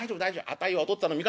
あたいはお父っつぁんの味方。